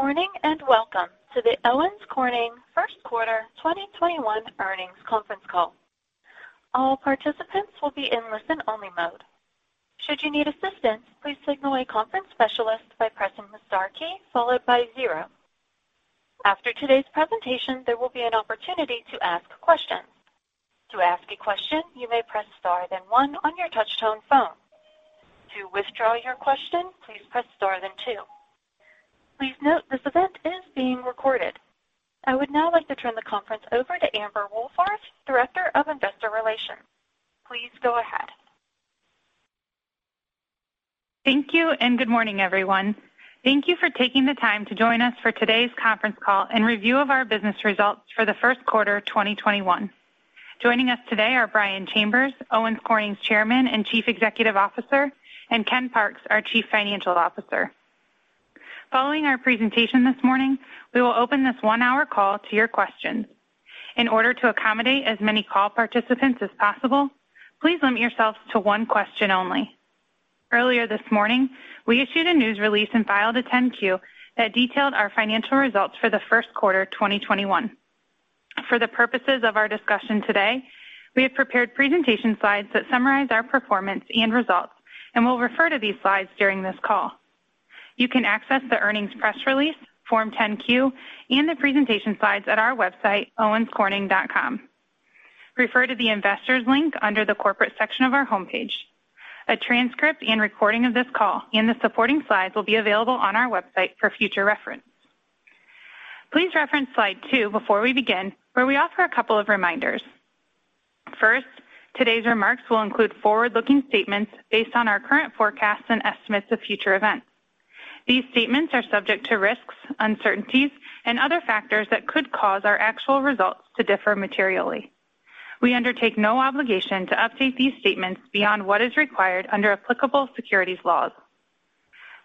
Good morning, and welcome to the Owens Corning First Quarter 2021 Earnings Conference Call. All participants will be in listen-only mode. Should you need assistance, please signal a conference specialist by pressing the star key followed by zero. After today's presentation, there will be an opportunity to ask questions. Please note this event is being recorded. I would now like to turn the conference over to Amber Wohlfarth, Director of Investor Relations. Please go ahead. Thank you. Good morning, everyone. Thank you for taking the time to join us for today's conference call and review of our business results for the first quarter of 2021. Joining us today are Brian Chambers, Owens Corning's Chairman and Chief Executive Officer, and Ken Parks, our Chief Financial Officer. Following our presentation this morning, we will open this one-hour call to your questions. In order to accommodate as many call participants as possible, please limit yourselves to one question only. Earlier this morning, we issued a news release and filed a 10-Q that detailed our financial results for the first quarter of 2021. For the purposes of our discussion today, we have prepared presentation slides that summarize our performance and results. We'll refer to these slides during this call. You can access the earnings press release, Form 10-Q, and the presentation slides at our website, owenscorning.com. Refer to the Investors link under the Corporate section of our homepage. A transcript and recording of this call and the supporting slides will be available on our website for future reference. Please reference slide two before we begin, where we offer a couple of reminders. First, today's remarks will include forward-looking statements based on our current forecasts and estimates of future events. These statements are subject to risks, uncertainties, and other factors that could cause our actual results to differ materially. We undertake no obligation to update these statements beyond what is required under applicable securities laws.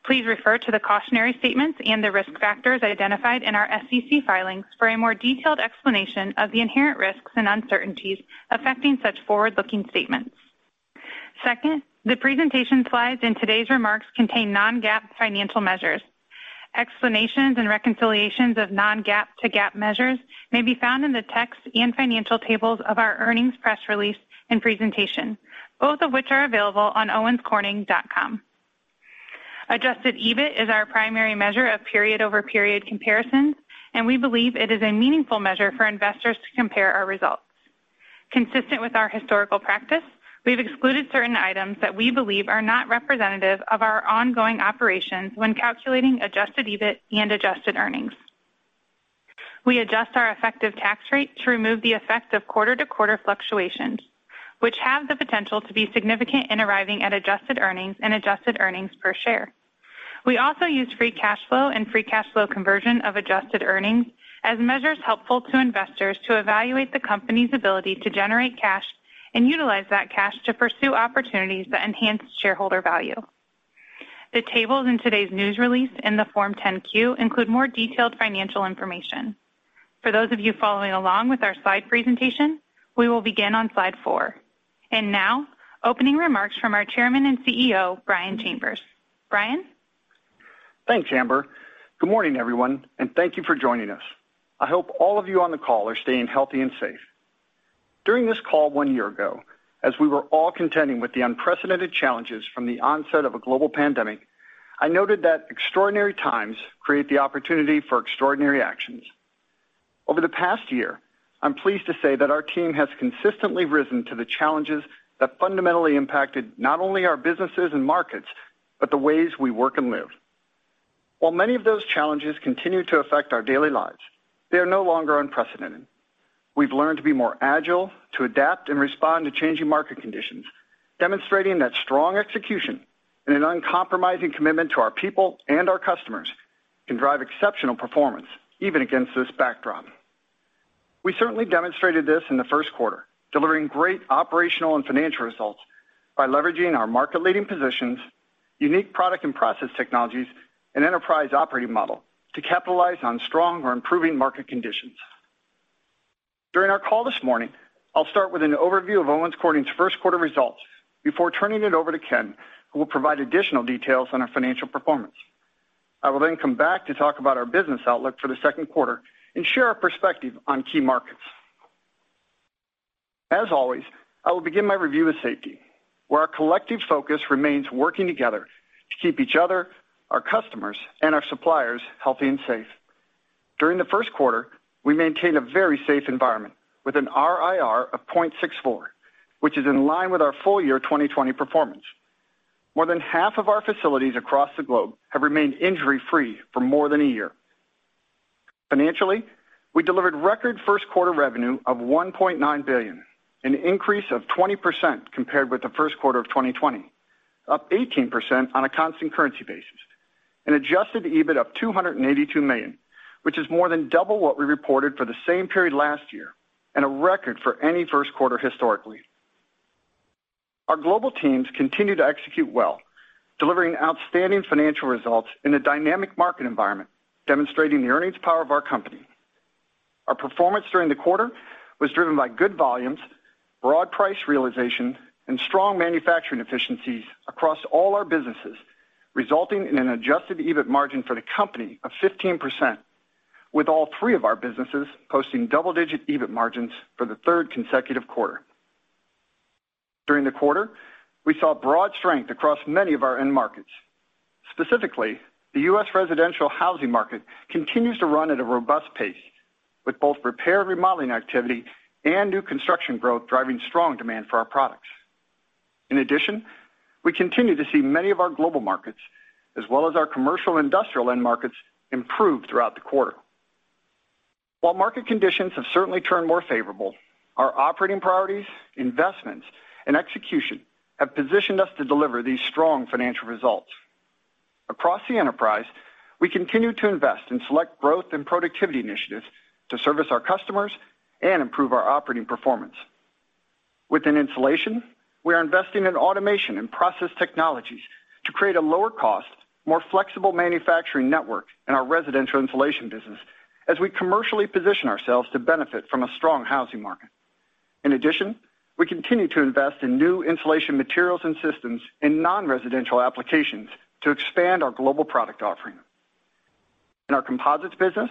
Please refer to the cautionary statements and the risk factors identified in our SEC filings for a more detailed explanation of the inherent risks and uncertainties affecting such forward-looking statements. Second, the presentation slides in today's remarks contain non-GAAP financial measures. Explanations and reconciliations of non-GAAP to GAAP measures may be found in the text and financial tables of our earnings press release and presentation, both of which are available on owenscorning.com. Adjusted EBIT is our primary measure of period-over-period comparisons, and we believe it is a meaningful measure for investors to compare our results. Consistent with our historical practice, we've excluded certain items that we believe are not representative of our ongoing operations when calculating adjusted EBIT and adjusted earnings. We adjust our effective tax rate to remove the effect of quarter-to-quarter fluctuations, which have the potential to be significant in arriving at adjusted earnings and adjusted earnings per share. We also use free cash flow and free cash flow conversion of adjusted earnings as measures helpful to investors to evaluate the company's ability to generate cash and utilize that cash to pursue opportunities that enhance shareholder value. The tables in today's news release in the Form 10-Q include more detailed financial information. For those of you following along with our slide presentation, we will begin on slide four. Now, opening remarks from our Chairman and CEO, Brian Chambers. Brian? Thanks, Amber. Good morning, everyone. Thank you for joining us. I hope all of you on the call are staying healthy and safe. During this call one year ago, as we were all contending with the unprecedented challenges from the onset of a global pandemic, I noted that extraordinary times create the opportunity for extraordinary actions. Over the past year, I'm pleased to say that our team has consistently risen to the challenges that fundamentally impacted not only our businesses and markets, but the ways we work and live. While many of those challenges continue to affect our daily lives, they are no longer unprecedented. We've learned to be more agile, to adapt and respond to changing market conditions, demonstrating that strong execution and an uncompromising commitment to our people and our customers can drive exceptional performance, even against this backdrop. We certainly demonstrated this in the first quarter, delivering great operational and financial results by leveraging our market-leading positions, unique product and process technologies, and enterprise operating model to capitalize on strong or improving market conditions. During our call this morning, I'll start with an overview of Owens Corning's first quarter results before turning it over to Ken, who will provide additional details on our financial performance. I will then come back to talk about our business outlook for the second quarter and share our perspective on key markets. As always, I will begin my review with safety, where our collective focus remains working together to keep each other, our customers, and our suppliers healthy and safe. During the first quarter, we maintained a very safe environment with an RIR of 0.64, which is in line with our full year 2020 performance. More than half of our facilities across the globe have remained injury-free for more than a year. Financially, we delivered record first quarter revenue of $1.9 billion, an increase of 20% compared with the first quarter of 2020, up 18% on a constant currency basis, an adjusted EBIT of $282 million, which is more than double what we reported for the same period last year and a record for any first quarter historically. Our global teams continue to execute well, delivering outstanding financial results in a dynamic market environment, demonstrating the earnings power of our company. Our performance during the quarter was driven by good volumes, broad price realization, and strong manufacturing efficiencies across all our businesses, resulting in an adjusted EBIT margin for the company of 15%, with all three of our businesses posting double-digit EBIT margins for the third consecutive quarter. During the quarter, we saw broad strength across many of our end markets. Specifically, the U.S. residential housing market continues to run at a robust pace, with both repair remodeling activity and new construction growth driving strong demand for our products. In addition, we continue to see many of our global markets, as well as our commercial industrial end markets, improve throughout the quarter. While market conditions have certainly turned more favorable, our operating priorities, investments, and execution have positioned us to deliver these strong financial results. Across the enterprise, we continue to invest in select growth and productivity initiatives to service our customers and improve our operating performance. Within insulation, we are investing in automation and process technologies to create a lower cost, more flexible manufacturing network in our residential insulation business as we commercially position ourselves to benefit from a strong housing market. In addition, we continue to invest in new insulation materials and systems in non-residential applications to expand our global product offering. In our composites business,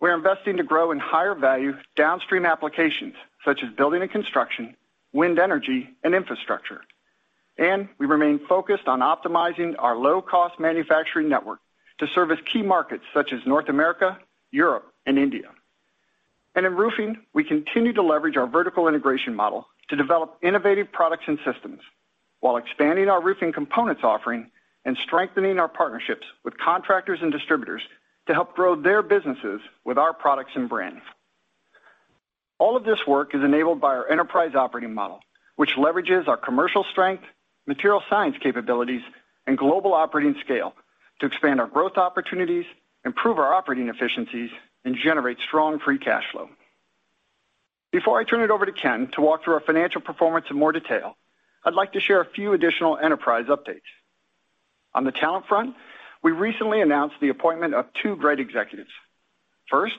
we're investing to grow in higher value downstream applications such as building and construction, wind energy, and infrastructure. We remain focused on optimizing our low-cost manufacturing network to service key markets such as North America, Europe, and India. In roofing, we continue to leverage our vertical integration model to develop innovative products and systems while expanding our roofing components offering and strengthening our partnerships with contractors and distributors to help grow their businesses with our products and brands. All of this work is enabled by our enterprise operating model, which leverages our commercial strength, material science capabilities, and global operating scale to expand our growth opportunities, improve our operating efficiencies, and generate strong free cash flow. Before I turn it over to Ken to walk through our financial performance in more detail, I'd like to share a few additional enterprise updates. On the talent front, we recently announced the appointment of two great executives. First,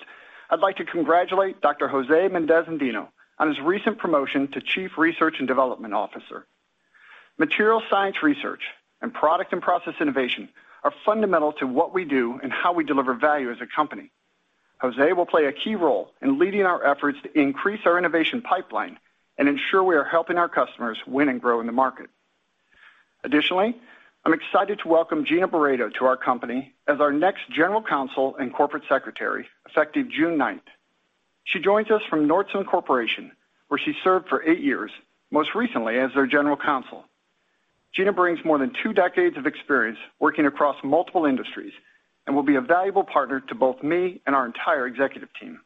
I'd like to congratulate Dr. José Méndez-Andino on his recent promotion to Chief Research and Development Officer. Material science research and product and process innovation are fundamental to what we do and how we deliver value as a company. José will play a key role in leading our efforts to increase our innovation pipeline and ensure we are helping our customers win and grow in the market. Additionally, I'm excited to welcome Gina Beredo to our company as our next General Counsel and Corporate Secretary effective June 9th. She joins us from Nordson Corporation, where she served for eight years, most recently as their general counsel. Gina brings more than two decades of experience working across multiple industries and will be a valuable partner to both me and our entire executive team.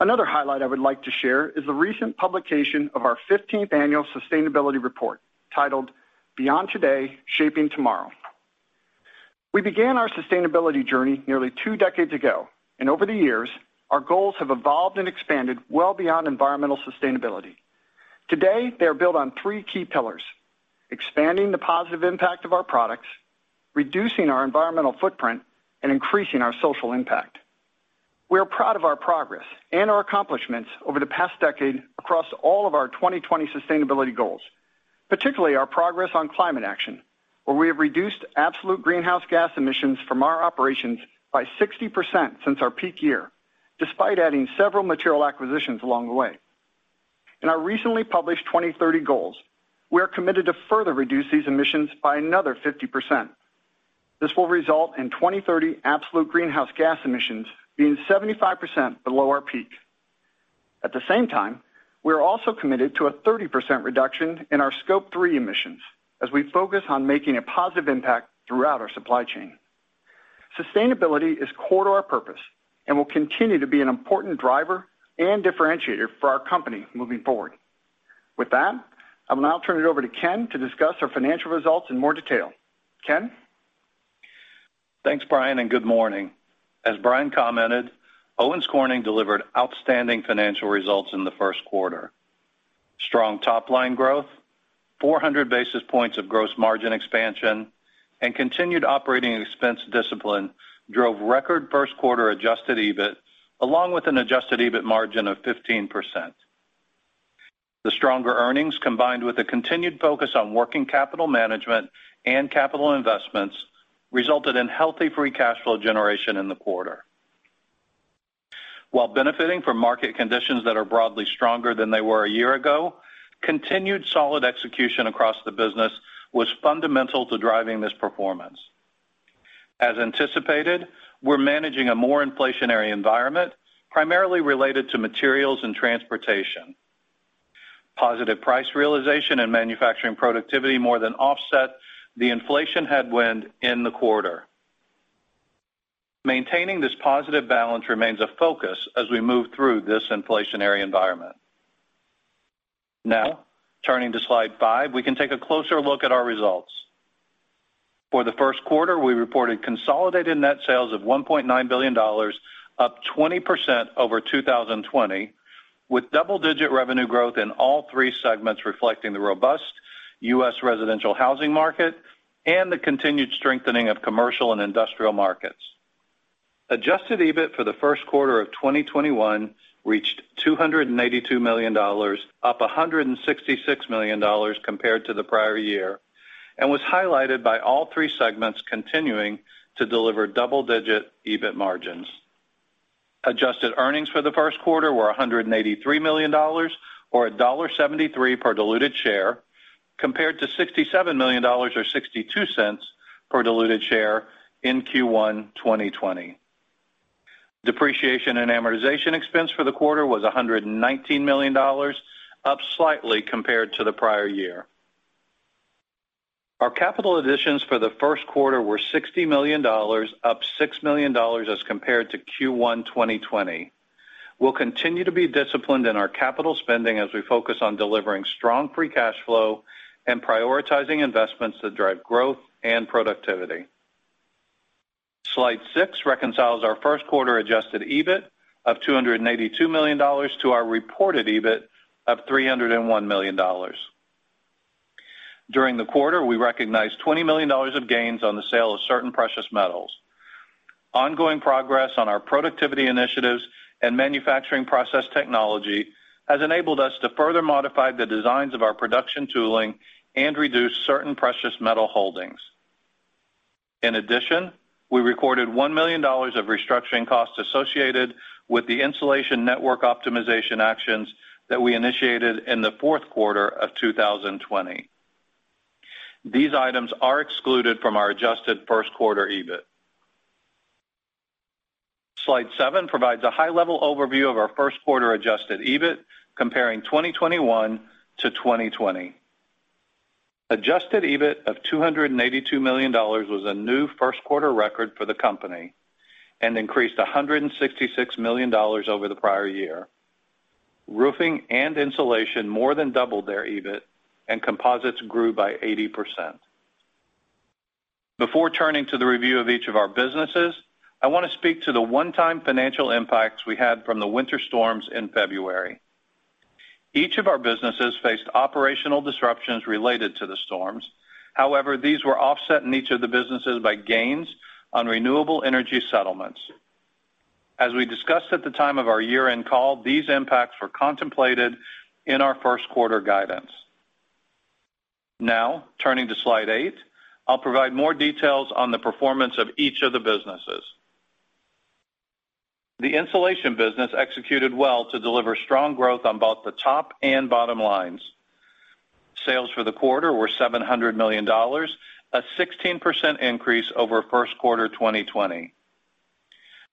Another highlight I would like to share is the recent publication of our 15th annual sustainability report titled Beyond Today, Shaping Tomorrow. Over the years, our goals have evolved and expanded well beyond environmental sustainability. Today, they are built on three key pillars, expanding the positive impact of our products, reducing our environmental footprint, and increasing our social impact. We are proud of our progress and our accomplishments over the past decade across all of our 2020 sustainability goals, particularly our progress on climate action, where we have reduced absolute greenhouse gas emissions from our operations by 60% since our peak year, despite adding several material acquisitions along the way. In our recently published 2030 goals, we are committed to further reduce these emissions by another 50%. This will result in 2030 absolute greenhouse gas emissions being 75% below our peak. At the same time, we are also committed to a 30% reduction in our Scope 3 emissions as we focus on making a positive impact throughout our supply chain. Sustainability is core to our purpose and will continue to be an important driver and differentiator for our company moving forward. With that, I will now turn it over to Ken to discuss our financial results in more detail. Ken? Thanks, Brian, and good morning. As Brian commented, Owens Corning delivered outstanding financial results in the first quarter. Strong top-line growth, 400 basis points of gross margin expansion, and continued operating expense discipline drove record first quarter adjusted EBIT, along with an adjusted EBIT margin of 15%. The stronger earnings, combined with a continued focus on working capital management and capital investments, resulted in healthy free cash flow generation in the quarter. While benefiting from market conditions that are broadly stronger than they were a year ago, continued solid execution across the business was fundamental to driving this performance. As anticipated, we're managing a more inflationary environment, primarily related to materials and transportation. Positive price realization and manufacturing productivity more than offset the inflation headwind in the quarter. Maintaining this positive balance remains a focus as we move through this inflationary environment. Turning to slide five, we can take a closer look at our results. For the first quarter, we reported consolidated net sales of $1.9 billion, up 20% over 2020, with double-digit revenue growth in all three segments reflecting the robust U.S. residential housing market, and the continued strengthening of commercial and industrial markets. Adjusted EBIT for the first quarter of 2021 reached $282 million, up $166 million compared to the prior year, and was highlighted by all three segments continuing to deliver double-digit EBIT margins. Adjusted earnings for the first quarter were $183 million, or $1.73 per diluted share, compared to $67 million, or $0.62 per diluted share in Q1 2020. Depreciation and amortization expense for the quarter was $119 million, up slightly compared to the prior year. Our capital additions for the first quarter were $60 million, up $6 million as compared to Q1 2020. We'll continue to be disciplined in our capital spending as we focus on delivering strong free cash flow and prioritizing investments that drive growth and productivity. Slide six reconciles our first quarter adjusted EBIT of $282 million to our reported EBIT of $301 million. During the quarter, we recognized $20 million of gains on the sale of certain precious metals. Ongoing progress on our productivity initiatives and manufacturing process technology has enabled us to further modify the designs of our production tooling and reduce certain precious metal holdings. In addition, we recorded $1 million of restructuring costs associated with the insulation network optimization actions that we initiated in the fourth quarter of 2020. These items are excluded from our adjusted first quarter EBIT. Slide seven provides a high-level overview of our first quarter adjusted EBIT, comparing 2021-2020. Adjusted EBIT of $282 million was a new first quarter record for the company and increased $166 million over the prior year. Roofing and insulation more than doubled their EBIT, and composites grew by 80%. Before turning to the review of each of our businesses, I want to speak to the one-time financial impacts we had from the winter storms in February. Each of our businesses faced operational disruptions related to the storms. These were offset in each of the businesses by gains on renewable energy settlements. As we discussed at the time of our year-end call, these impacts were contemplated in our first-quarter guidance. Turning to slide eight, I'll provide more details on the performance of each of the businesses. The insulation business executed well to deliver strong growth on both the top and bottom lines. Sales for the quarter were $700 million, a 16% increase over first quarter 2020.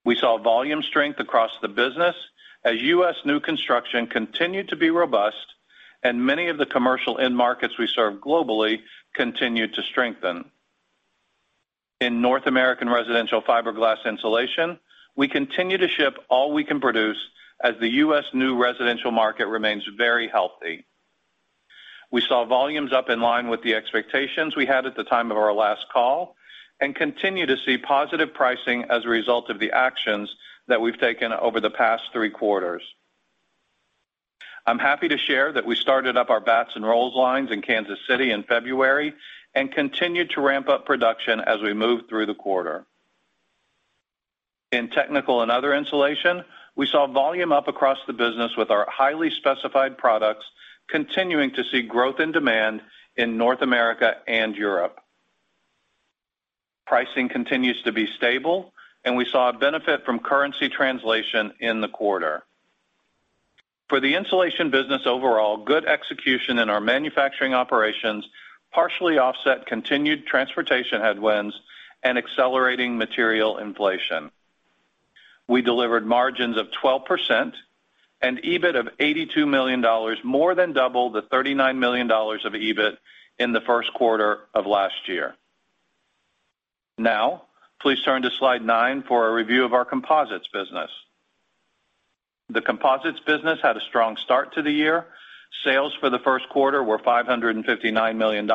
We saw volume strength across the business as U.S. new construction continued to be robust and many of the commercial end markets we serve globally continued to strengthen. In North American residential fiberglass insulation, we continue to ship all we can produce as the U.S. new residential market remains very healthy. We saw volumes up in line with the expectations we had at the time of our last call and continue to see positive pricing as a result of the actions that we've taken over the past three quarters. I'm happy to share that we started up our batts and rolls lines in Kansas City in February and continued to ramp up production as we moved through the quarter. In technical and other insulation, we saw volume up across the business with our highly specified products continuing to see growth in demand in North America and Europe. Pricing continues to be stable. We saw a benefit from currency translation in the quarter. For the insulation business overall, good execution in our manufacturing operations partially offset continued transportation headwinds and accelerating material inflation. We delivered margins of 12% and EBIT of $82 million, more than double the $39 million of EBIT in the first quarter of last year. Please turn to slide nine for a review of our composites business. The composites business had a strong start to the year. Sales for the first quarter were $559 million,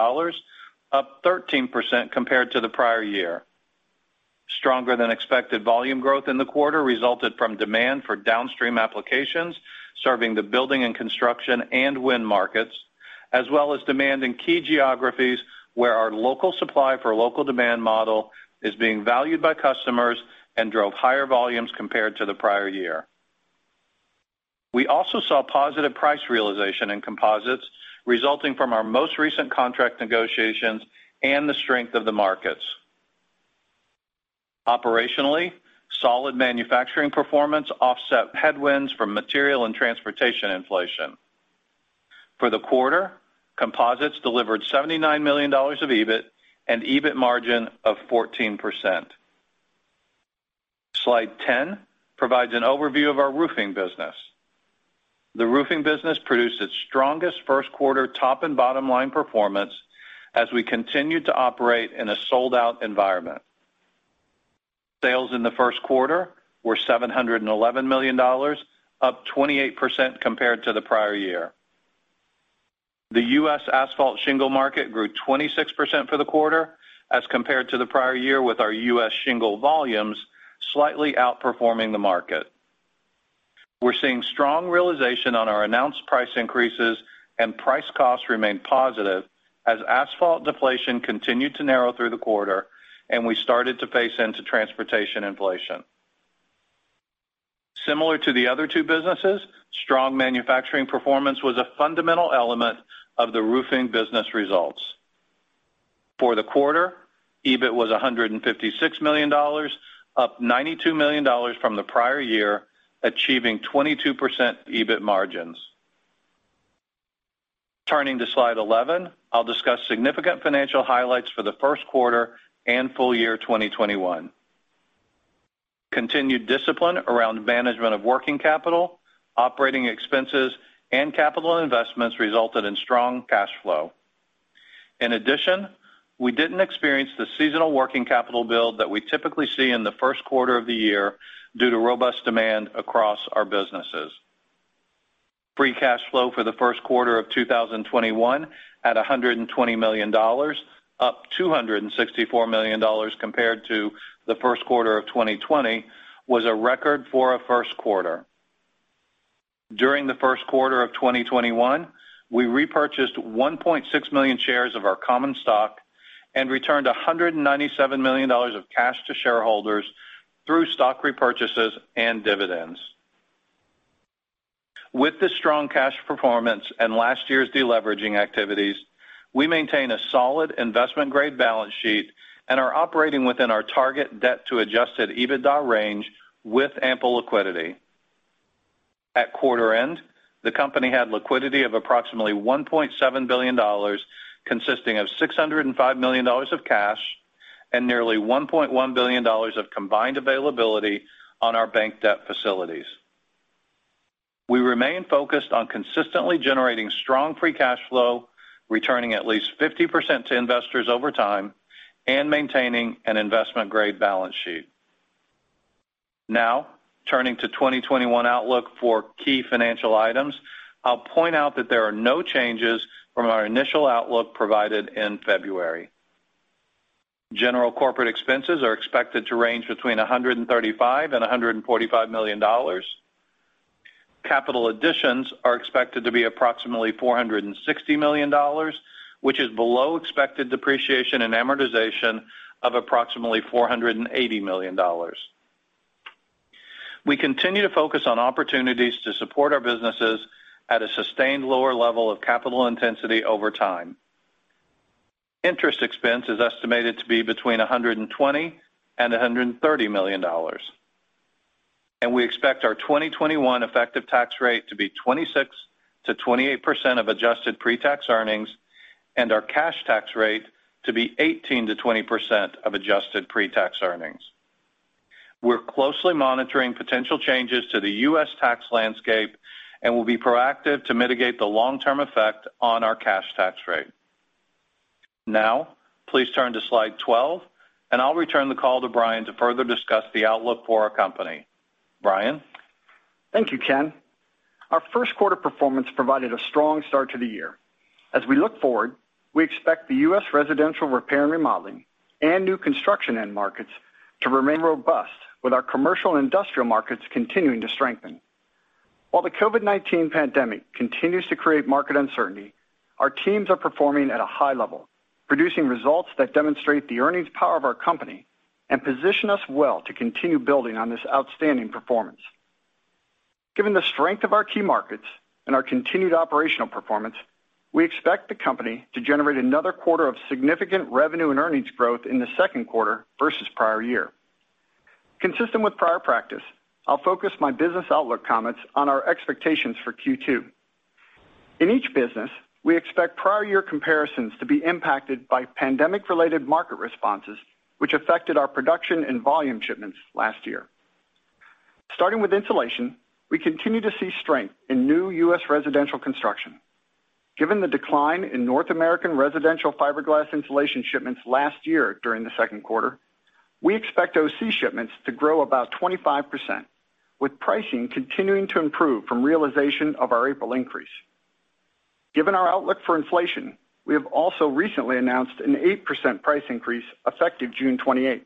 up 13% compared to the prior year. Stronger than expected volume growth in the quarter resulted from demand for downstream applications, serving the building and construction and wind markets, as well as demand in key geographies where our local supply for local demand model is being valued by customers and drove higher volumes compared to the prior year. We also saw positive price realization in composites resulting from our most recent contract negotiations and the strength of the markets. Operationally, solid manufacturing performance offset headwinds from material and transportation inflation. For the quarter, composites delivered $79 million of EBIT and EBIT margin of 14%. Slide 10 provides an overview of our roofing business. The roofing business produced its strongest first-quarter top and bottom-line performance as we continued to operate in a sold-out environment. Sales in the first quarter were $711 million, up 28% compared to the prior year. The U.S. asphalt shingle market grew 26% for the quarter as compared to the prior year, with our U.S. shingle volumes slightly outperforming the market. We're seeing strong realization on our announced price increases and price costs remain positive as asphalt deflation continued to narrow through the quarter, and we started to phase into transportation inflation. Similar to the other two businesses, strong manufacturing performance was a fundamental element of the roofing business results. For the quarter, EBIT was $156 million, up $92 million from the prior year, achieving 22% EBIT margins. Turning to slide 11, I'll discuss significant financial highlights for the first quarter and full year 2021. Continued discipline around management of working capital, operating expenses, and capital investments resulted in strong cash flow. In addition, we didn't experience the seasonal working capital build that we typically see in the first quarter of the year due to robust demand across our businesses. Free cash flow for the first quarter of 2021 at $120 million, up $264 million compared to the first quarter of 2020, was a record for a first quarter. During the first quarter of 2021, we repurchased 1.6 million shares of our common stock and returned $197 million of cash to shareholders through stock repurchases and dividends. With this strong cash performance and last year's de-leveraging activities, we maintain a solid investment-grade balance sheet and are operating within our target debt to adjusted EBITDA range with ample liquidity. At quarter end, the company had liquidity of approximately $1.7 billion, consisting of $605 million of cash and nearly $1.1 billion of combined availability on our bank debt facilities. We remain focused on consistently generating strong free cash flow, returning at least 50% to investors over time, and maintaining an investment-grade balance sheet. Turning to 2021 outlook for key financial items, I'll point out that there are no changes from our initial outlook provided in February. General corporate expenses are expected to range between $135 million and $145 million. Capital additions are expected to be approximately $460 million, which is below expected depreciation and amortization of approximately $480 million. We continue to focus on opportunities to support our businesses at a sustained lower level of capital intensity over time. Interest expense is estimated to be between $120 million and $130 million. We expect our 2021 effective tax rate to be 26%-28% of adjusted pre-tax earnings and our cash tax rate to be 18%-20% of adjusted pre-tax earnings. We're closely monitoring potential changes to the U.S. tax landscape and will be proactive to mitigate the long-term effect on our cash tax rate. Please turn to slide 12, and I'll return the call to Brian to further discuss the outlook for our company. Brian. Thank you, Ken. Our first quarter performance provided a strong start to the year. As we look forward, we expect the U.S. residential repair and remodeling and new construction end markets to remain robust with our commercial and industrial markets continuing to strengthen. While the COVID-19 pandemic continues to create market uncertainty, our teams are performing at a high level, producing results that demonstrate the earnings power of our company and position us well to continue building on this outstanding performance. Given the strength of our key markets and our continued operational performance, we expect the company to generate another quarter of significant revenue and earnings growth in the second quarter versus prior year. Consistent with prior practice, I'll focus my business outlook comments on our expectations for Q2. In each business, we expect prior-year comparisons to be impacted by pandemic-related market responses, which affected our production and volume shipments last year. Starting with insulation, we continue to see strength in new U.S. residential construction. Given the decline in North American residential fiberglass insulation shipments last year during the second quarter, we expect OC shipments to grow about 25%, with pricing continuing to improve from realization of our April increase. Given our outlook for inflation, we have also recently announced an 8% price increase effective June 28th.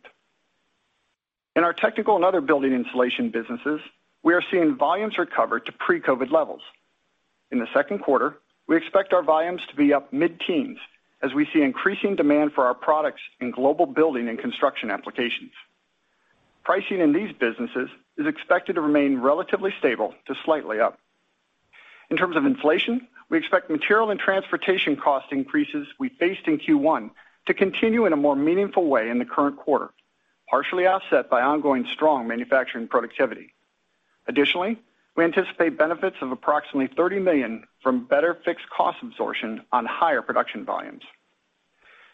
In our technical and other building insulation businesses, we are seeing volumes recover to pre-COVID levels. In the second quarter, we expect our volumes to be up mid-teens as we see increasing demand for our products in global building and construction applications. Pricing in these businesses is expected to remain relatively stable to slightly up. In terms of inflation, we expect material and transportation cost increases we faced in Q1 to continue in a more meaningful way in the current quarter, partially offset by ongoing strong manufacturing productivity. We anticipate benefits of approximately $30 million from better fixed cost absorption on higher production volumes.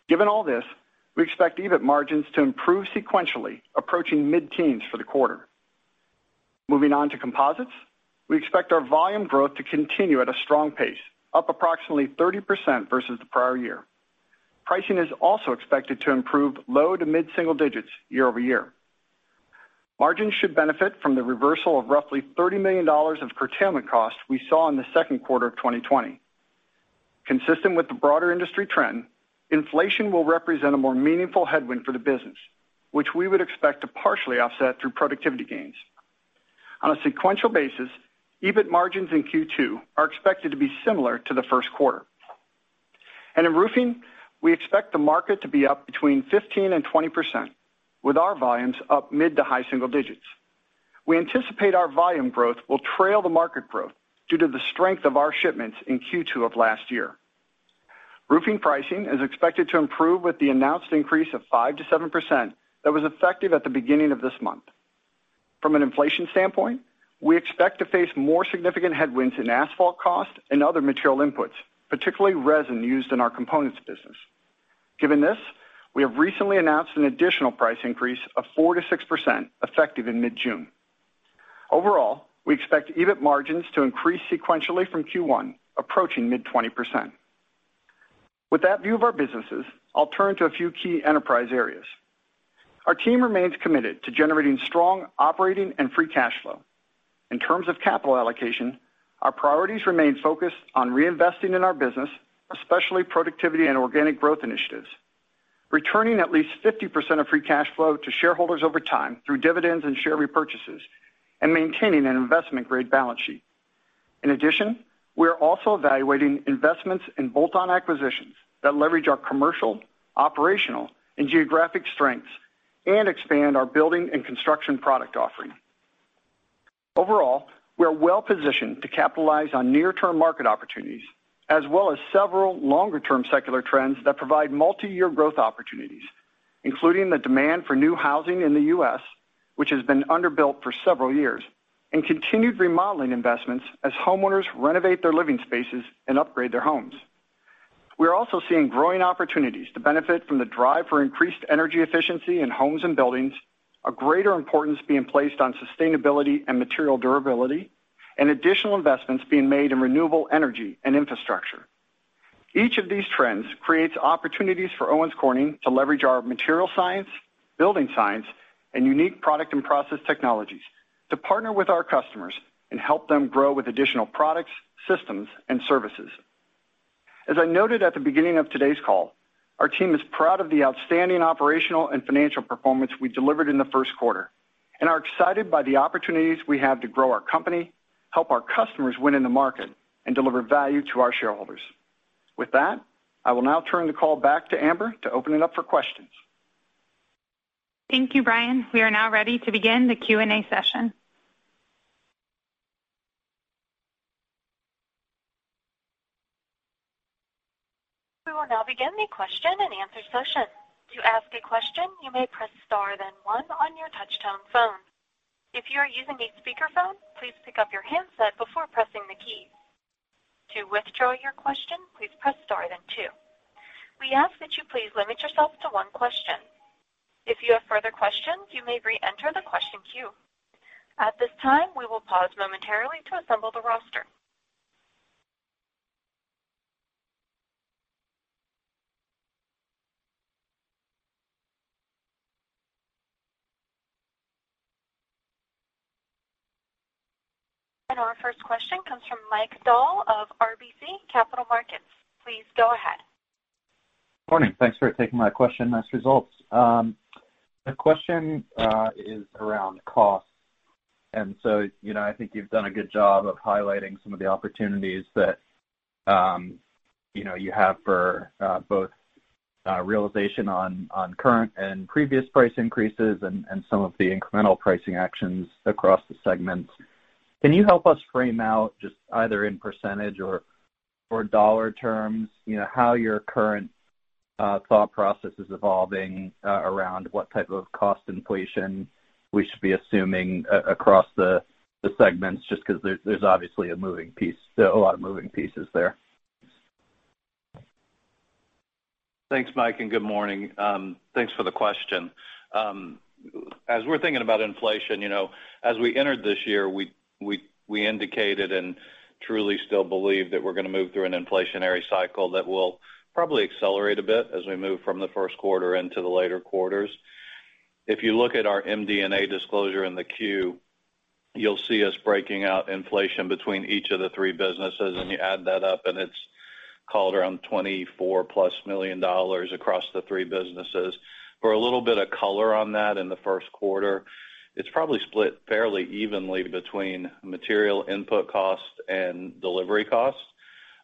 Given all this, we expect EBIT margins to improve sequentially, approaching mid-teens for the quarter. Moving on to composites, we expect our volume growth to continue at a strong pace, up approximately 30% versus the prior year. Pricing is also expected to improve low to mid-single digits year-over-year. Margins should benefit from the reversal of roughly $30 million of curtailment costs we saw in the second quarter of 2020. Consistent with the broader industry trend, inflation will represent a more meaningful headwind for the business, which we would expect to partially offset through productivity gains. On a sequential basis, EBIT margins in Q2 are expected to be similar to the first quarter. In roofing, we expect the market to be up between 15% and 20%, with our volumes up mid to high single digits. We anticipate our volume growth will trail the market growth due to the strength of our shipments in Q2 of last year. Roofing pricing is expected to improve with the announced increase of 5%-7% that was effective at the beginning of this month. From an inflation standpoint, we expect to face more significant headwinds in asphalt cost and other material inputs, particularly resin used in our components business. Given this, we have recently announced an additional price increase of 4%-6% effective in mid-June. Overall, we expect EBIT margins to increase sequentially from Q1, approaching mid-20%. With that view of our businesses, I'll turn to a few key enterprise areas. Our team remains committed to generating strong operating and free cash flow. In terms of capital allocation, our priorities remain focused on reinvesting in our business, especially productivity and organic growth initiatives, returning at least 50% of free cash flow to shareholders over time through dividends and share repurchases, and maintaining an investment-grade balance sheet. In addition, we are also evaluating investments in bolt-on acquisitions that leverage our commercial, operational, and geographic strengths and expand our building and construction product offering. Overall, we are well-positioned to capitalize on near-term market opportunities, as well as several longer-term secular trends that provide multi-year growth opportunities, including the demand for new housing in the U.S., which has been underbuilt for several years, and continued remodeling investments as homeowners renovate their living spaces and upgrade their homes. We are also seeing growing opportunities to benefit from the drive for increased energy efficiency in homes and buildings, a greater importance being placed on sustainability and material durability, and additional investments being made in renewable energy and infrastructure. Each of these trends creates opportunities for Owens Corning to leverage our material science, building science, and unique product and process technologies to partner with our customers and help them grow with additional products, systems, and services. As I noted at the beginning of today's call, our team is proud of the outstanding operational and financial performance we delivered in the first quarter and are excited by the opportunities we have to grow our company, help our customers win in the market, and deliver value to our shareholders. With that, I will now turn the call back to Amber to open it up for questions. Thank you, Brian. We are now ready to begin the Q&A session. We will now begin the question and answer session. To ask a question, you may press star then one on your touchtone phone. If you're using a speakerphone, please pick up your handset before pressing the key. To withdraw your question, please press star then two. We ask that you please limit yourself to one question. If you have further questions, you may reenter the question queue. At this time, we will pause momentarily to assemble the roster. And our first question comes from Mike Dahl of RBC Capital Markets. Please go ahead. Morning. Thanks for taking my question. Nice results. The question is around costs. I think you've done a good job of highlighting some of the opportunities that you have for both realization on current and previous price increases and some of the incremental pricing actions across the segments. Can you help us frame out just either in percentage or dollar terms how your current thought process is evolving around what type of cost inflation we should be assuming across the segments, just because there's obviously a lot of moving pieces there? Thanks, Mike, and good morning. Thanks for the question. As we're thinking about inflation, as we entered this year, we indicated and truly still believe that we're going to move through an inflationary cycle that will probably accelerate a bit as we move from the first quarter into the later quarters. If you look at our MD&A disclosure in the Q, you'll see us breaking out inflation between each of the three businesses, and you add that up, and it's called around $24+ million across the three businesses. For a little bit of color on that in the first quarter, it's probably split fairly evenly between material input costs and delivery costs.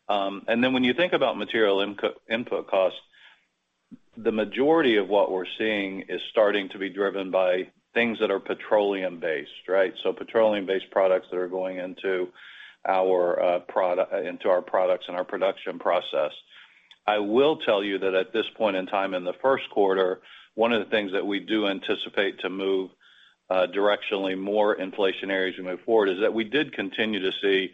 When you think about material input costs, the majority of what we're seeing is starting to be driven by things that are petroleum-based, right? Petroleum-based products that are going into our products and our production process. I will tell you that at this point in time in the first quarter, one of the things that we do anticipate to move directionally more inflationary as we move forward is that we did continue to see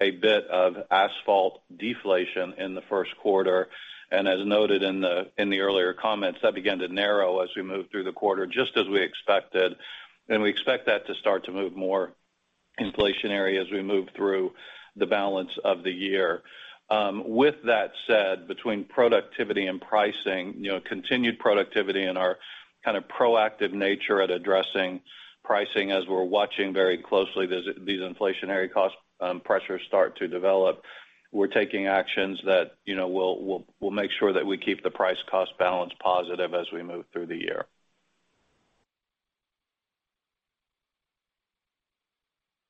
a bit of asphalt deflation in the first quarter. And as noted in the earlier comments, that began to narrow as we moved through the quarter, just as we expected, and we expect that to start to move more inflationary as we move through the balance of the year. With that said, between productivity and pricing, continued productivity in our Kind of proactive nature at addressing pricing as we're watching very closely these inflationary cost pressures start to develop. We're taking actions that will make sure that we keep the price cost balance positive as we move through the year.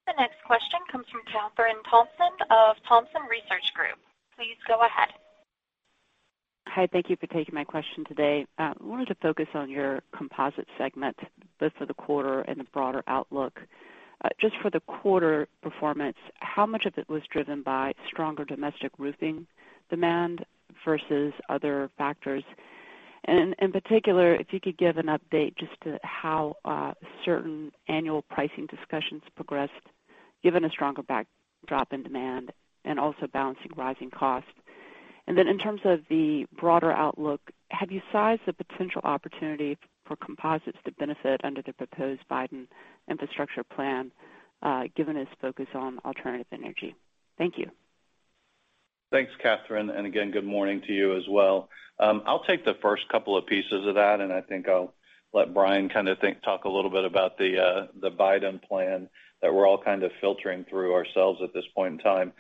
The next question comes from Kathryn Thompson of Thompson Research Group. Please go ahead. Hi. Thank you for taking my question today. I wanted to focus on your composite segment, both for the quarter and the broader outlook. Just for the quarter performance, how much of it was driven by stronger domestic roofing demand versus other factors? In particular, if you could give an update just to how certain annual pricing discussions progressed, given a stronger backdrop in demand and also balancing rising costs. Then in terms of the broader outlook, have you sized the potential opportunity for composites to benefit under the proposed Biden infrastructure plan, given its focus on alternative energy? Thank you. Thanks, Kathryn, again, good morning to you as well. I'll take the first couple of pieces of that, and I think I'll let Brian kind of talk a little bit about the Biden plan that we're all kind of filtering through ourselves at this point in time.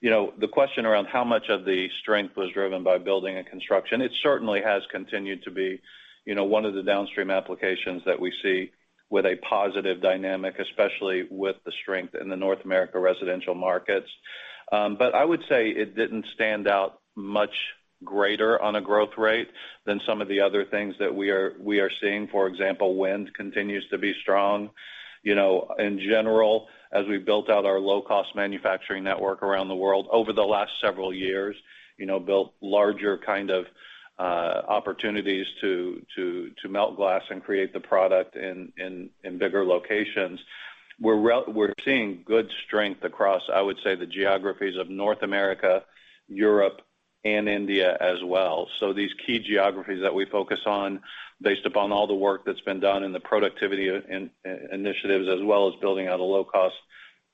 The question around how much of the strength was driven by building and construction, it certainly has continued to be one of the downstream applications that we see with a positive dynamic, especially with the strength in the North America residential markets. I would say it didn't stand out much greater on a growth rate than some of the other things that we are seeing. For example, wind continues to be strong. In general, as we built out our low-cost manufacturing network around the world over the last several years, built larger kind of opportunities to melt glass and create the product in bigger locations. We're seeing good strength across, I would say, the geographies of North America, Europe, and India as well. These key geographies that we focus on, based upon all the work that's been done in the productivity initiatives as well as building out a low-cost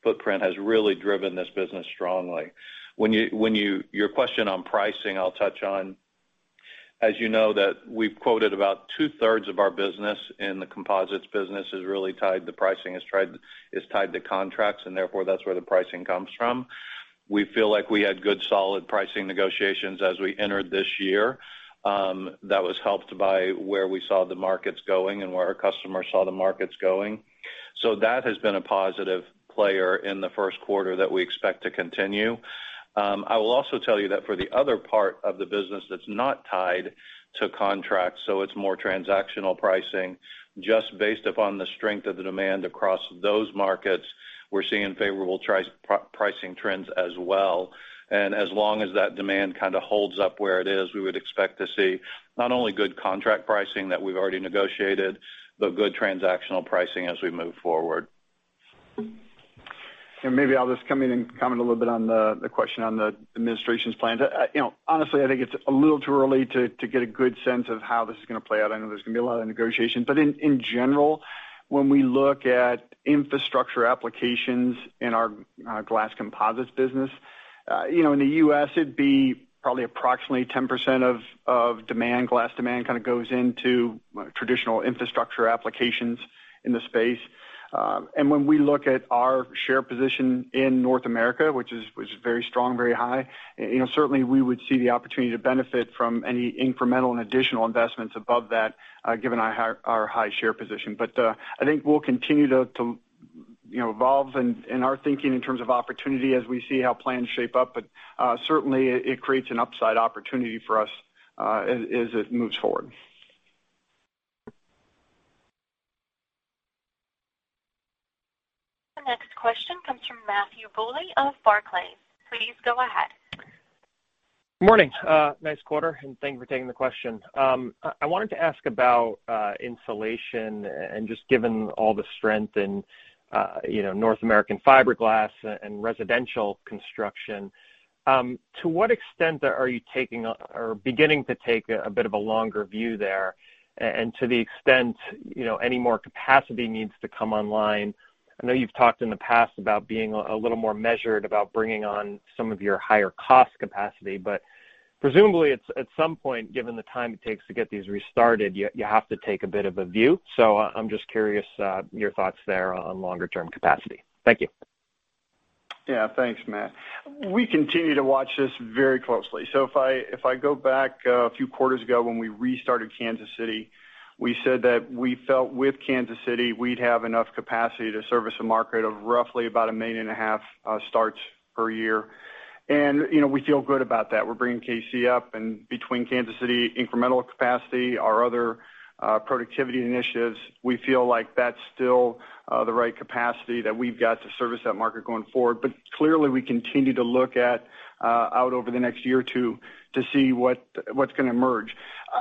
footprint, has really driven this business strongly. Your question on pricing, I'll touch on. As you know, that we've quoted about two-thirds of our business in the composites business is really tied to pricing, is tied to contracts, and therefore that's where the pricing comes from. We feel like we had good solid pricing negotiations as we entered this year. That was helped by where we saw the markets going and where our customers saw the markets going. That has been a positive player in the first quarter that we expect to continue. I will also tell you that for the other part of the business that's not tied to contracts, so it's more transactional pricing, just based upon the strength of the demand across those markets, we're seeing favorable pricing trends as well. As long as that demand kind of holds up where it is, we would expect to see not only good contract pricing that we've already negotiated, but good transactional pricing as we move forward. Maybe I'll just come in and comment a little bit on the question on the Administration's plan. Honestly, I think it's a little too early to get a good sense of how this is gonna play out. I know there's gonna be a lot of negotiation. In general, when we look at infrastructure applications in our glass composites business. In the U.S., it'd be probably approximately 10% of demand. Glass demand kind of goes into traditional infrastructure applications in the space. When we look at our share position in North America, which is very strong, very high, certainly we would see the opportunity to benefit from any incremental and additional investments above that given our high share position. I think we'll continue to evolve in our thinking in terms of opportunity as we see how plans shape up. Certainly it creates an upside opportunity for us as it moves forward. The next question comes from Matthew Bouley of Barclays. Please go ahead. Morning. Nice quarter. Thank you for taking the question. I wanted to ask about insulation and just given all the strength in North American fiberglass and residential construction, to what extent are you beginning to take a bit of a longer view there? To the extent any more capacity needs to come online, I know you've talked in the past about being a little more measured about bringing on some of your higher cost capacity. Presumably, at some point, given the time it takes to get these restarted, you have to take a bit of a view. I'm just curious your thoughts there on longer-term capacity. Thank you. Yeah. Thanks, Matt. We continue to watch this very closely. If I go back a few quarters ago when we restarted Kansas City, we said that we felt with Kansas City we'd have enough capacity to service a market of roughly about 1.5 million starts per year. We feel good about that. We're bringing KC up, and between Kansas City incremental capacity, our other productivity initiatives, we feel like that's still the right capacity that we've got to service that market going forward. Clearly we continue to look out over the next year or two to see what's gonna emerge.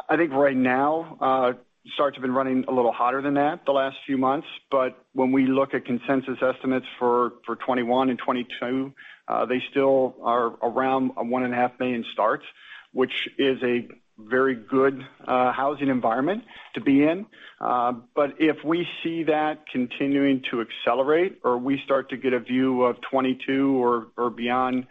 I think right now, starts have been running a little hotter than that the last few months, when we look at consensus estimates for 2021 and 2022, they still are around 1.5 million starts, which is a very good housing environment to be in. If we see that continuing to accelerate or we start to get a view of 2022 or beyond,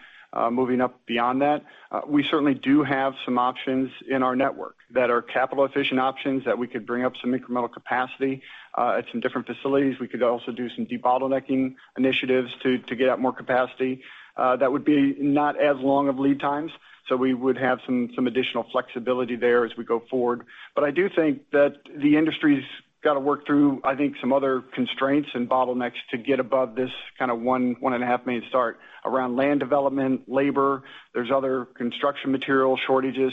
moving up beyond that, we certainly do have some options in our network that are capital efficient options that we could bring up some incremental capacity at some different facilities. We could also do some debottlenecking initiatives to get out more capacity. That would be not as long of lead times, so we would have some additional flexibility there as we go forward. I do think that the industry's got to work through, I think, some other constraints and bottlenecks to get above this kind of 1.5 million start around land development, labor. There's other construction material shortages.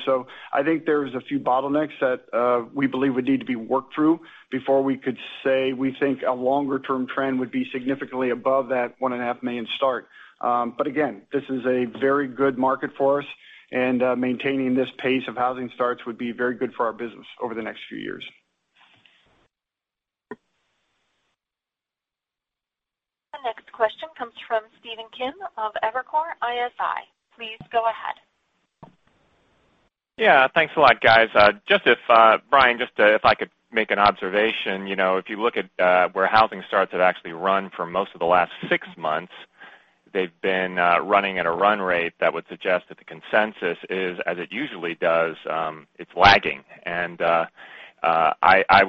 I think there's a few bottlenecks that we believe would need to be worked through before we could say we think a longer-term trend would be significantly above that 1.5 million start. Again, this is a very good market for us, and maintaining this pace of housing starts would be very good for our business over the next few years. The next question comes from Stephen Kim of Evercore ISI. Please go ahead. Yeah, thanks a lot, guys. Brian, just if I could make an observation. If you look at where housing starts have actually run for most of the last six months, they've been running at a run rate that would suggest that the consensus is, as it usually does, it's lagging. I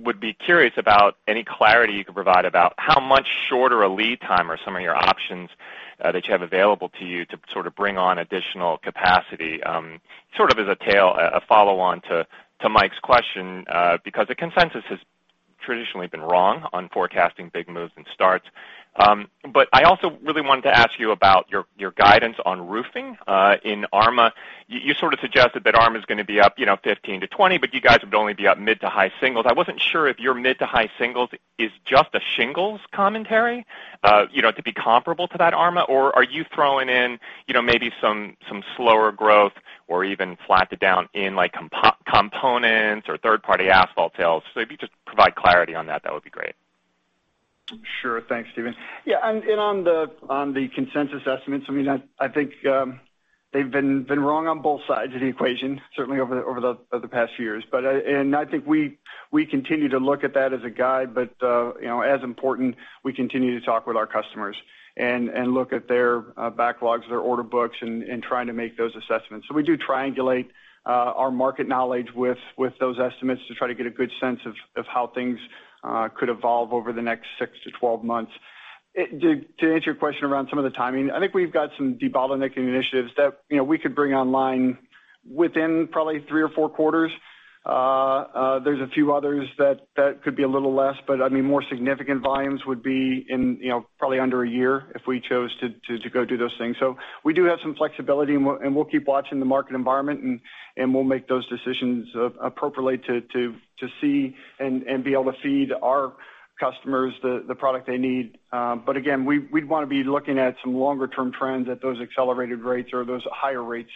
would be curious about any clarity you could provide about how much shorter a lead time are some of your options that you have available to you to bring on additional capacity? Sort of as a follow-on to Mike's question because the consensus has traditionally been wrong on forecasting big moves and starts. I also really wanted to ask you about your guidance on roofing in ARMA. You sort of suggested that ARMA is going to be up 15%-20%, but you guys would only be up mid to high singles. I wasn't sure if your mid to high singles is just a shingles commentary to be comparable to that ARMA, or are you throwing in maybe some slower growth or even flat to down in components or third-party asphalt sales? If you could just provide clarity on that would be great. Sure. Thanks, Stephen. On the consensus estimates, I think they've been wrong on both sides of the equation, certainly over the past few years. I think we continue to look at that as a guide. As important, we continue to talk with our customers and look at their backlogs, their order books, and trying to make those assessments. We do triangulate our market knowledge with those estimates to try to get a good sense of how things could evolve over the next six to 12 months. To answer your question around some of the timing, I think we've got some debottlenecking initiatives that we could bring online within probably three or four quarters. There's a few others that could be a little less, but more significant volumes would be in probably under a year if we chose to go do those things. We do have some flexibility, and we'll keep watching the market environment, and we'll make those decisions appropriately to see and be able to feed our customers the product they need. Again, we'd want to be looking at some longer-term trends at those accelerated rates or those higher rates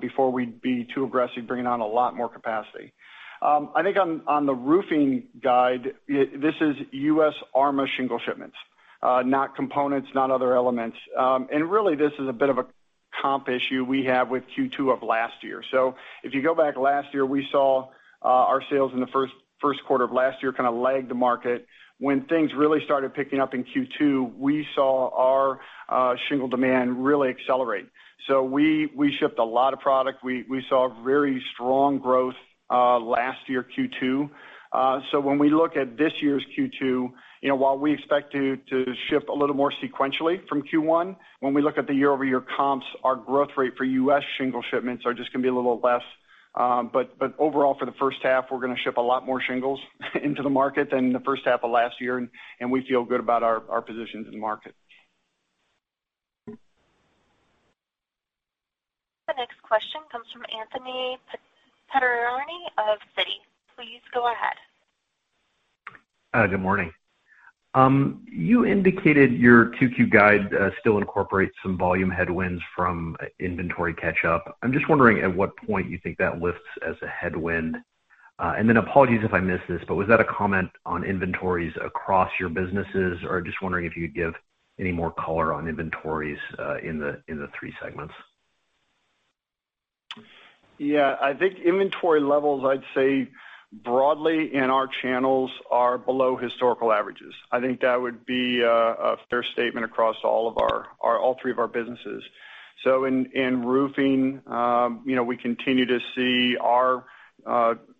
before we'd be too aggressive bringing on a lot more capacity. I think on the roofing guide, this is U.S. ARMA shingle shipments, not components, not other elements. Really, this is a bit of a comp issue we have with Q2 of last year. If you go back last year, we saw our sales in the first quarter of last year kind of lag the market. When things really started picking up in Q2, we saw our shingle demand really accelerate. We shipped a lot of product. We saw very strong growth last year, Q2. When we look at this year's Q2, while we expect to ship a little more sequentially from Q1, when we look at the year-over-year comps, our growth rate for U.S. shingle shipments are just going to be a little less. Overall, for the first half, we're going to ship a lot more shingles into the market than the first half of last year, and we feel good about our positions in the market. The next question comes from Anthony Pettinari of Citi. Please go ahead. Good morning. You indicated your 2Q guide still incorporates some volume headwinds from inventory catch-up. I'm just wondering at what point you think that lifts as a headwind. Apologies if I missed this, but was that a comment on inventories across your businesses? Just wondering if you'd give any more color on inventories in the three segments. Yeah, I think inventory levels, I'd say broadly in our channels are below historical averages. I think that would be a fair statement across all three of our businesses. In roofing, we continue to see our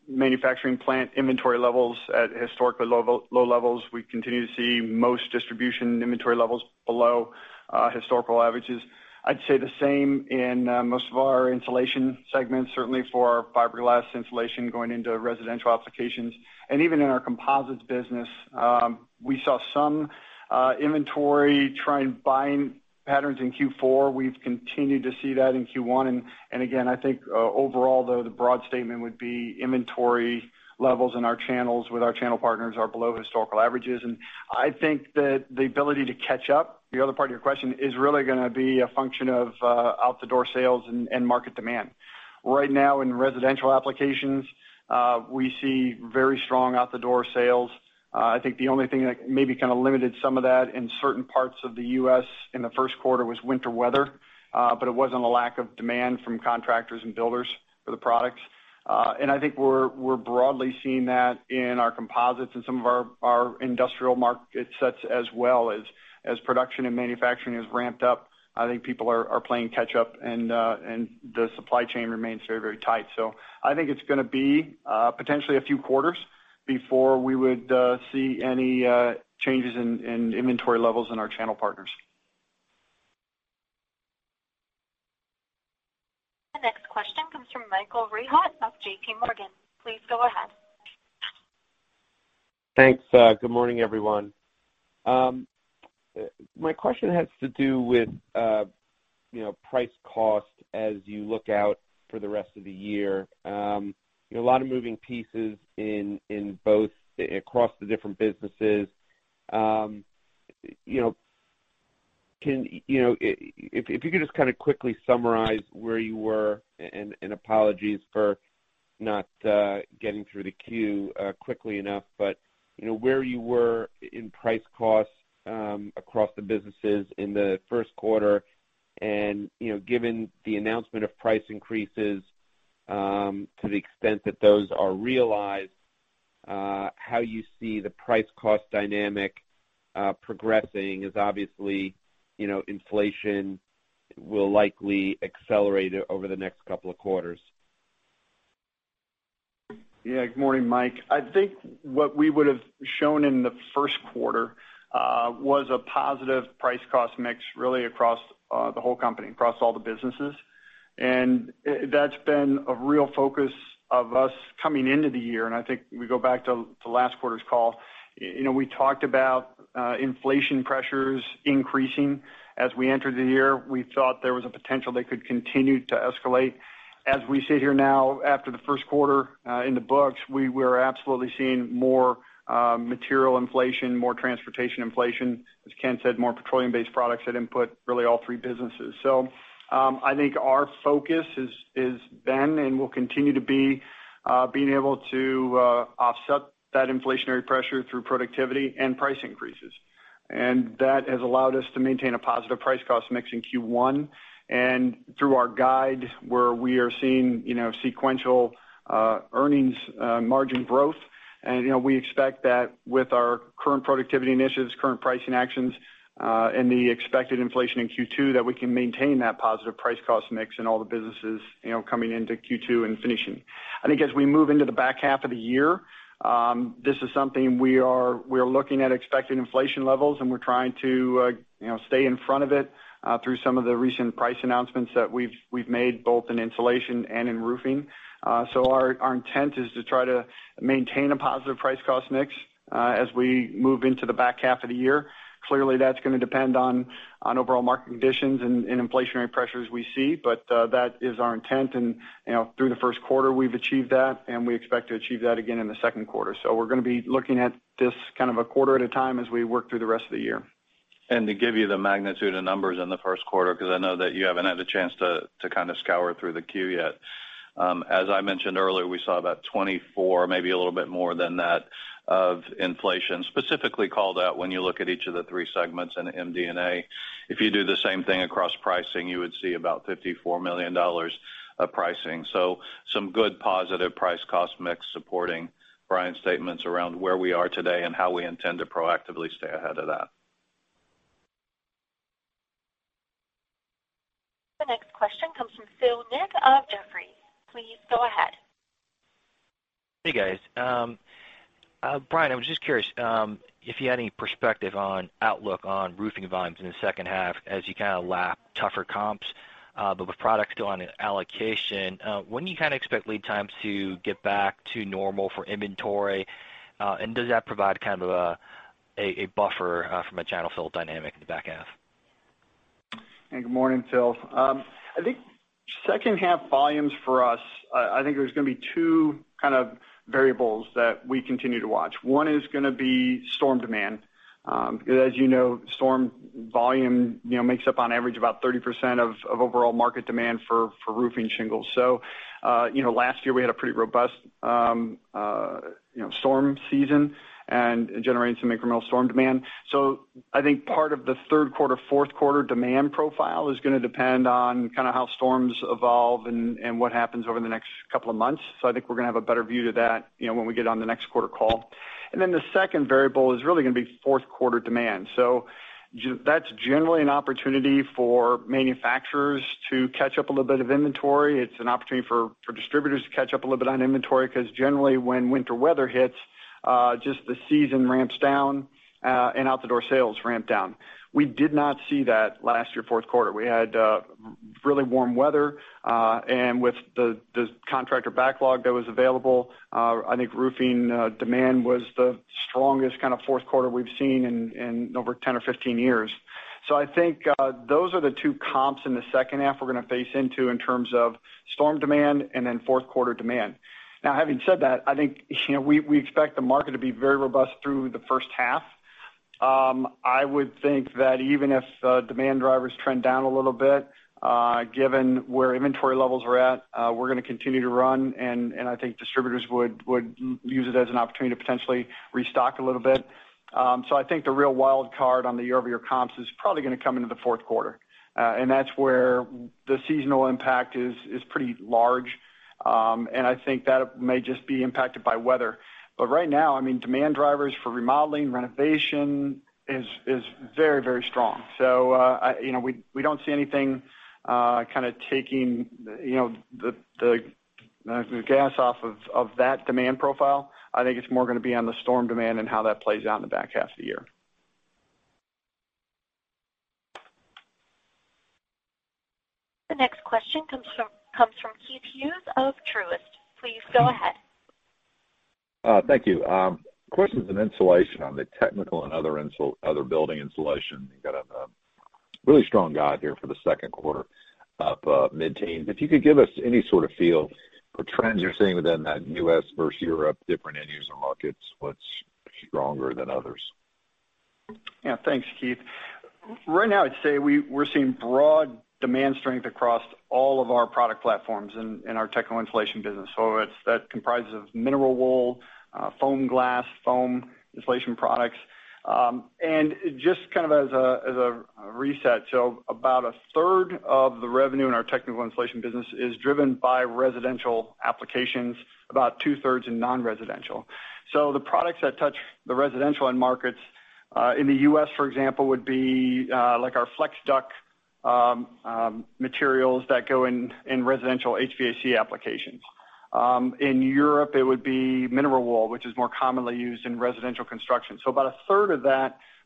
manufacturing plant inventory levels at historically low levels. We continue to see most distribution inventory levels below historical averages. I'd say the same in most of our insulation segments, certainly for our fiberglass insulation going into residential applications. Even in our composites business, we saw some inventory try and bind patterns in Q4. We've continued to see that in Q1. Again, I think overall, though, the broad statement would be inventory levels in our channels with our channel partners are below historical averages. I think that the ability to catch up, the other part of your question, is really going to be a function of out-the-door sales and market demand. Right now in residential applications, we see very strong out-the-door sales. I think the only thing that maybe kind of limited some of that in certain parts of the U.S. in the first quarter was winter weather, but it wasn't a lack of demand from contractors and builders for the products. I think we're broadly seeing that in our composites and some of our industrial market sets as well. As production and manufacturing has ramped up, I think people are playing catch up, and the supply chain remains very, very tight. I think it's going to be potentially a few quarters before we would see any changes in inventory levels in our channel partners. The next question comes from Michael Rehaut of JPMorgan. Please go ahead. Thanks. Good morning, everyone. My question has to do with price cost as you look out for the rest of the year. A lot of moving pieces across the different businesses. Apologies for not getting through the queue quickly enough, but where you were in price costs across the businesses in the first quarter, and given the announcement of price increases, to the extent that those are realized, how you see the price cost dynamic progressing, as obviously inflation will likely accelerate over the next couple of quarters. Good morning, Mike. I think what we would've shown in the first quarter was a positive price cost mix, really across the whole company, across all the businesses. That's been a real focus of us coming into the year. I think we go back to last quarter's call, we talked about inflation pressures increasing as we entered the year. We thought there was a potential they could continue to escalate. As we sit here now, after the first quarter in the books, we are absolutely seeing more material inflation, more transportation inflation, as Ken said, more petroleum-based products at input, really all three businesses. I think our focus has been and will continue to be able to offset that inflationary pressure through productivity and price increases. That has allowed us to maintain a positive price cost mix in Q1, and through our guide where we are seeing sequential earnings margin growth. We expect that with our current productivity initiatives, current pricing actions, and the expected inflation in Q2, that we can maintain that positive price cost mix in all the businesses coming into Q2 and finishing. I think as we move into the back half of the year, this is something we are looking at expected inflation levels, and we're trying to stay in front of it through some of the recent price announcements that we've made, both in insulation and in roofing. Our intent is to try to maintain a positive price cost mix as we move into the back half of the year. Clearly, that's going to depend on overall market conditions and inflationary pressures we see. That is our intent and through the first quarter, we've achieved that, and we expect to achieve that again in the second quarter. We're going to be looking at this a quarter at a time as we work through the rest of the year. To give you the magnitude of numbers in the first quarter, because I know that you haven't had the chance to scour through the 10-Q yet. As I mentioned earlier, we saw about 24, maybe a little bit more than that, of inflation specifically called out when you look at each of the three segments in MD&A. If you do the same thing across pricing, you would see about $54 million of pricing. Some good positive price cost mix supporting Brian's statements around where we are today and how we intend to proactively stay ahead of that. The next question comes from Philip Ng of Jefferies. Please go ahead. Hey, guys. Brian, I was just curious if you had any perspective on outlook on roofing volumes in the second half as you lap tougher comps. With products still on allocation, when do you expect lead times to get back to normal for inventory? Does that provide a buffer from a channel fill dynamic in the back half? Hey, good morning, Philip. I think second half volumes for us, I think there's going to be two variables that we continue to watch. One is going to be storm demand, because as you know, storm volume makes up on average about 30% of overall market demand for roofing shingles. Last year we had a pretty robust storm season and it generated some incremental storm demand. I think part of the third quarter, fourth quarter demand profile is going to depend on how storms evolve and what happens over the next couple of months. I think we're going to have a better view to that when we get on the next quarter call. The second variable is really going to be fourth quarter demand. That's generally an opportunity for manufacturers to catch up a little bit of inventory. It's an opportunity for distributors to catch up a little bit on inventory, because generally when winter weather hits, just the season ramps down, and out the door sales ramp down. We did not see that last year, fourth quarter. We had really warm weather, and with the contractor backlog that was available, I think roofing demand was the strongest fourth quarter we've seen in over 10 or 15 years. I think those are the two comps in the second half we're going to face into in terms of storm demand and then fourth quarter demand. Having said that, I think we expect the market to be very robust through the first half. I would think that even if demand drivers trend down a little bit, given where inventory levels are at, we're going to continue to run, and I think distributors would use it as an opportunity to potentially restock a little bit. I think the real wild card on the year-over-year comps is probably going to come into the fourth quarter. That's where the seasonal impact is pretty large. I think that may just be impacted by weather. Right now, demand drivers for remodeling, renovation is very strong. We don't see anything taking the gas off of that demand profile. I think it's more going to be on the storm demand and how that plays out in the back half of the year. The next question comes from Keith Hughes of Truist. Please go ahead. Thank you. Question on insulation on the technical and other building insulation. You got a really strong guide here for the second quarter up mid-teens. If you could give us any sort of feel for trends you're seeing within that U.S. versus Europe, different end user markets, what's stronger than others? Thanks, Keith. Right now, I'd say we're seeing broad demand strength across all of our product platforms in our technical insulation business. That comprises of mineral wool, foam glass, foam insulation products. Just as a reset, about a third of the revenue in our technical insulation business is driven by residential applications, about two-thirds in non-residential. The products that touch the residential end markets, in the U.S., for example, would be like our FLEX DUCT materials that go in residential HVAC applications. In Europe it would be mineral wool, which is more commonly used in residential construction. About a third of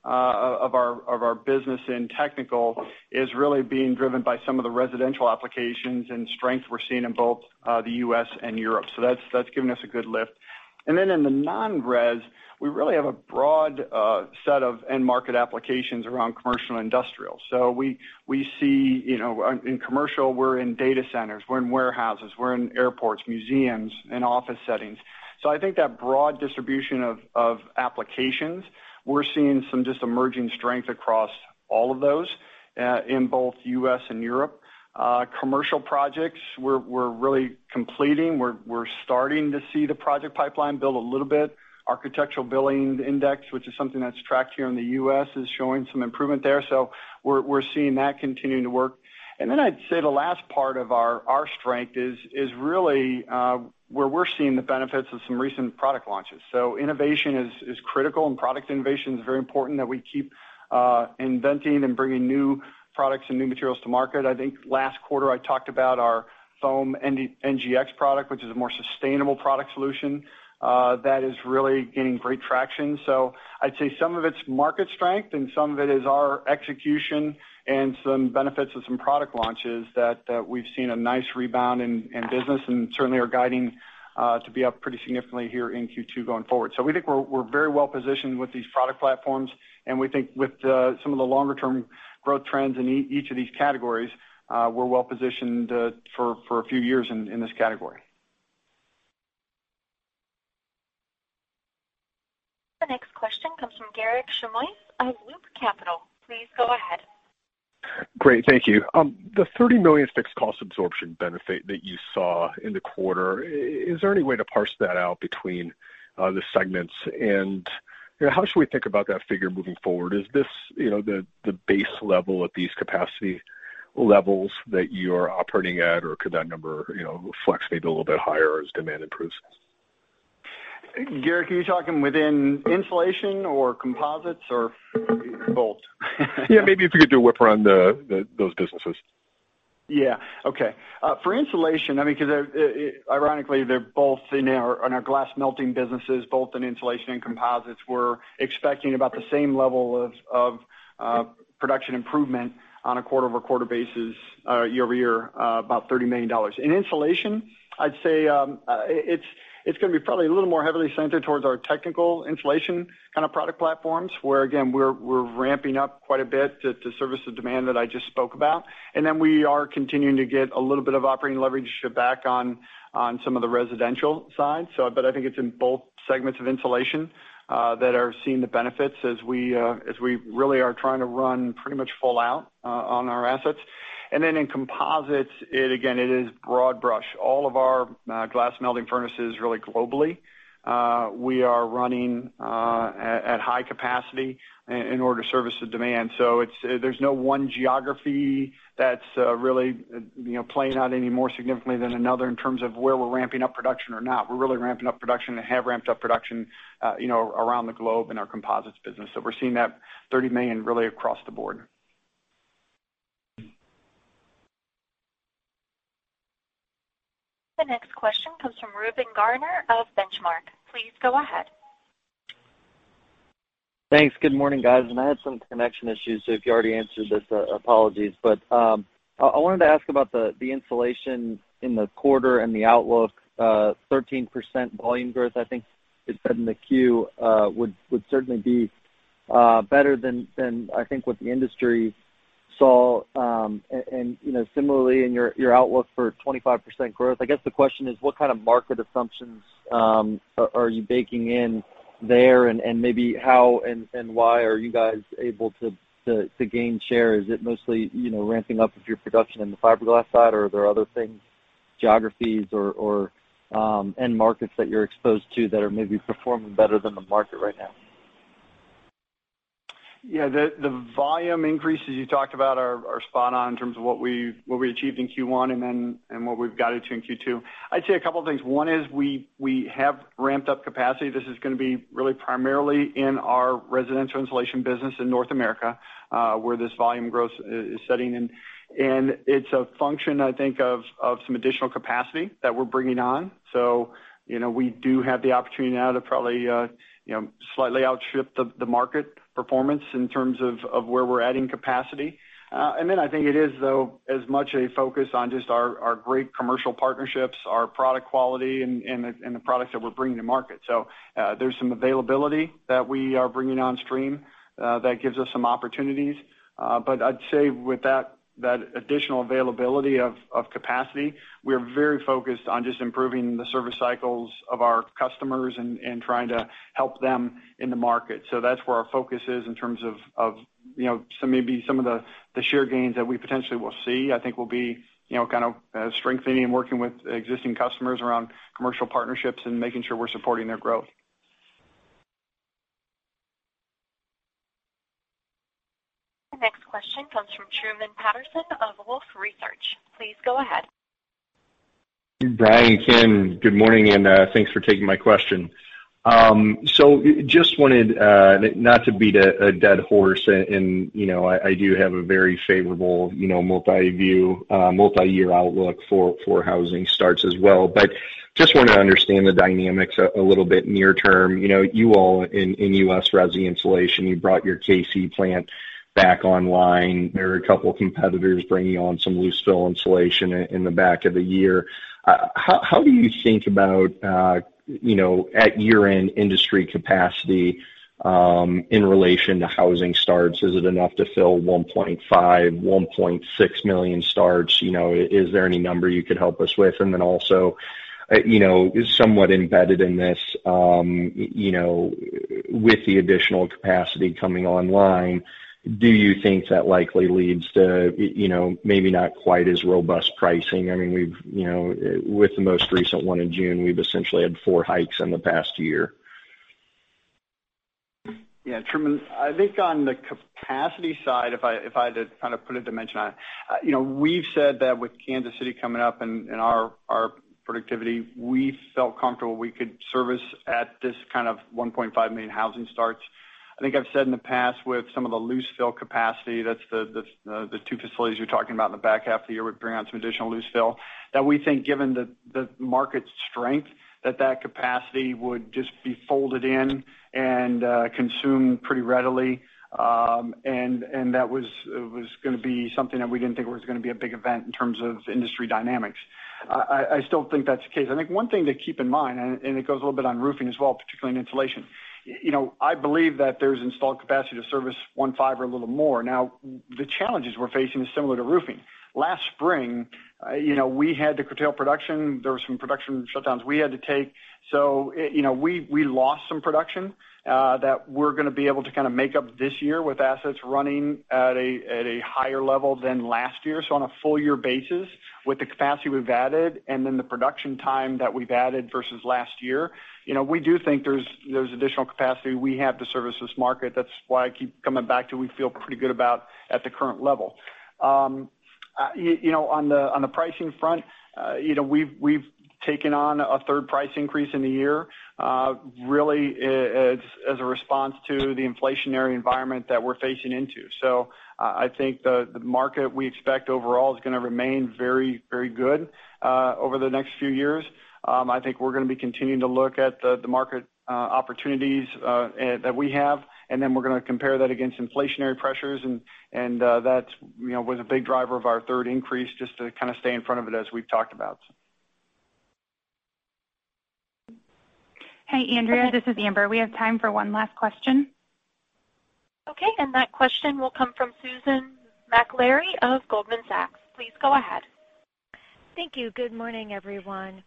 our business in technical is really being driven by some of the residential applications and strength we're seeing in both the U.S. and Europe. That's given us a good lift. In the non-res, we really have a broad set of end market applications around commercial and industrial. We see in commercial, we're in data centers, we're in warehouses, we're in airports, museums, and office settings. I think that broad distribution of applications, we're seeing some just emerging strength across all of those, in both U.S. and Europe. Commercial projects, we're really completing. We're starting to see the project pipeline build a little bit. Architecture Billings Index, which is something that's tracked here in the U.S., is showing some improvement there. We're seeing that continuing to work. I'd say the last part of our strength is really where we're seeing the benefits of some recent product launches. Innovation is critical, and product innovation is very important that we keep inventing and bringing new products and new materials to market. I think last quarter I talked about our FOAMULAR NGX product, which is a more sustainable product solution. That is really gaining great traction. I'd say some of it's market strength and some of it is our execution and some benefits of some product launches that we've seen a nice rebound in business and certainly are guiding to be up pretty significantly here in Q2 going forward. We think we're very well positioned with these product platforms, and we think with some of the longer-term growth trends in each of these categories, we're well positioned for a few years in this category. The next question comes from Garik Shmois of Loop Capital. Please go ahead. Great. Thank you. The $30 million fixed cost absorption benefit that you saw in the quarter, is there any way to parse that out between the segments? How should we think about that figure moving forward? Is this the base level at these capacity levels that you are operating at, or could that number flex maybe a little bit higher as demand improves? Garik, are you talking within insulation or composites or both? Yeah, maybe if you could do a whip around those businesses. Yeah. Okay. For insulation, because ironically, they're both in our glass melting businesses, both in insulation and composites. We're expecting about the same level of production improvement on a quarter-over-quarter basis year-over-year, about $30 million. In insulation, I'd say it's going to be probably a little more heavily centered towards our technical insulation kind of product platforms, where again, we're ramping up quite a bit to service the demand that I just spoke about. We are continuing to get a little bit of operating leverage back on some of the residential side. I think it's in both segments of insulation that are seeing the benefits as we really are trying to run pretty much full out on our assets. In composites, again, it is broad brush. All of our glass melting furnaces really globally, we are running at high capacity in order to service the demand. There's no one geography that's really playing out any more significantly than another in terms of where we're ramping up production or not. We're really ramping up production and have ramped up production around the globe in our composites business. We're seeing that $30 million really across the board. The next question comes from Reuben Garner of Benchmark. Please go ahead. Thanks. Good morning, guys. I had some connection issues, so if you already answered this, apologies. I wanted to ask about the insulation in the quarter and the outlook, 13% volume growth, I think it said in the 10-Q, would certainly be better than I think what the industry saw. Similarly in your outlook for 25% growth, I guess the question is, what kind of market assumptions are you baking in there, and maybe how and why are you guys able to gain share? Is it mostly ramping up of your production in the fiberglass side, or are there other things, geographies or end markets that you're exposed to that are maybe performing better than the market right now? Yeah, the volume increases you talked about are spot on in terms of what we achieved in Q1 and what we've guided to in Q2. I'd say a couple of things. One is we have ramped up capacity. This is going to be really primarily in our residential insulation business in North America, where this volume growth is setting in. It's a function, I think, of some additional capacity that we're bringing on. We do have the opportunity now to probably slightly outstrip the market performance in terms of where we're adding capacity. I think it is, though, as much a focus on just our great commercial partnerships, our product quality and the products that we're bringing to market. There's some availability that we are bringing on stream that gives us some opportunities. I'd say with that additional availability of capacity, we are very focused on just improving the service cycles of our customers and trying to help them in the market. That's where our focus is in terms of maybe some of the sheer gains that we potentially will see. I think we'll be strengthening and working with existing customers around commercial partnerships and making sure we're supporting their growth. The next question comes from Truman Patterson of Wolfe Research. Please go ahead. Brian, Ken, good morning, and thanks for taking my question. Just wanted, not to beat a dead horse and, I do have a very favorable multi-year outlook for housing starts as well. Just wanted to understand the dynamics a little bit near term. You all in U.S. Resi Insulation, you brought your KC plant back online. There are a couple of competitors bringing on some loose fill insulation in the back of the year. How do you think about at year-end industry capacity, in relation to housing starts? Is it enough to fill 1.5 million, 1.6 million starts? Is there any number you could help us with? Then also, somewhat embedded in this, with the additional capacity coming online, do you think that likely leads to maybe not quite as robust pricing? With the most recent one in June, we've essentially had four hikes in the past year. Yeah, Truman, I think on the capacity side, if I had to put a dimension on it, we've said that with Kansas City coming up and our productivity, we felt comfortable we could service at this kind of 1.5 million housing starts. I think I've said in the past with some of the loose fill capacity, that's the two facilities you're talking about in the back half of the year, we bring on some additional loose fill. That we think given the market strength, that that capacity would just be folded in and consumed pretty readily. That was going to be something that we didn't think was going to be a big event in terms of industry dynamics. I still think that's the case. I think one thing to keep in mind, and it goes a little bit on roofing as well, particularly in insulation. I believe that there's installed capacity to service 1.5 or a little more. The challenges we're facing is similar to roofing. Last spring, we had to curtail production. There were some production shutdowns we had to take, so we lost some production, that we're going to be able to make up this year with assets running at a higher level than last year. On a full year basis with the capacity we've added and then the production time that we've added versus last year, we do think there's additional capacity we have to service this market. That's why I keep coming back to we feel pretty good about at the current level. On the pricing front, we've taken on a third price increase in the year, really as a response to the inflationary environment that we're facing into. I think the market we expect overall is going to remain very good over the next few years. I think we're going to be continuing to look at the market opportunities that we have, and then we're going to compare that against inflationary pressures. That was a big driver of our third increase just to stay in front of it as we've talked about. Hey, Andrea, this is Amber. We have time for one last question. Okay. That question will come from Susan Maklari of Goldman Sachs. Please go ahead. Thank you. Good morning, everyone.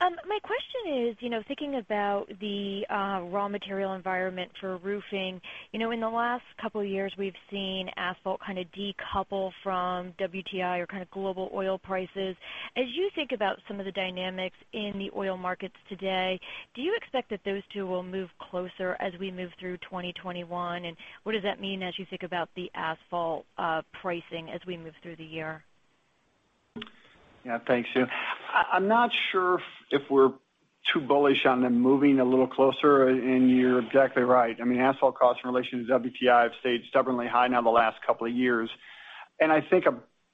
My question is, thinking about the raw material environment for roofing. In the last couple of years, we've seen asphalt kind of decouple from WTI or global oil prices. As you think about some of the dynamics in the oil markets today, do you expect that those two will move closer as we move through 2021? What does that mean as you think about the asphalt pricing as we move through the year? Yeah. Thanks, Susan. I'm not sure if we're too bullish on them moving a little closer. You're exactly right. Asphalt costs in relation to WTI have stayed stubbornly high now the last couple of years. I think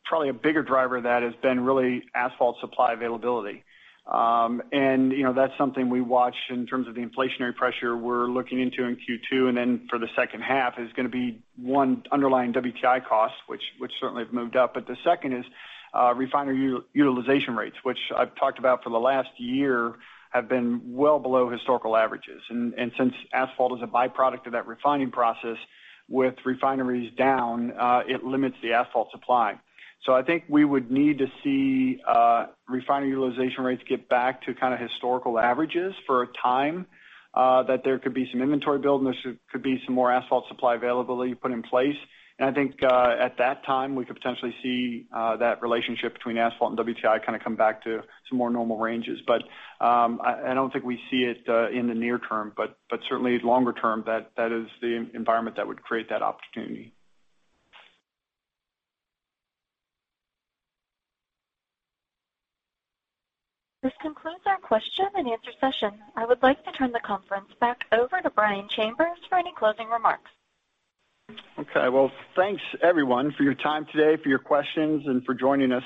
probably a bigger driver of that has been really asphalt supply availability. That's something we watch in terms of the inflationary pressure we're looking into in Q2, and then for the second half is going to be one underlying WTI cost, which certainly have moved up. The second is refinery utilization rates, which I've talked about for the last year have been well below historical averages. Since asphalt is a byproduct of that refining process with refineries down, it limits the asphalt supply. I think we would need to see refinery utilization rates get back to historical averages for a time, that there could be some inventory build and there could be some more asphalt supply availability put in place. I think at that time, we could potentially see that relationship between asphalt and WTI come back to some more normal ranges. I don't think we see it in the near term, but certainly longer term that is the environment that would create that opportunity. This concludes our question and answer session. I would like to turn the conference back over to Brian Chambers for any closing remarks. Okay. Well, thanks everyone for your time today, for your questions and for joining us.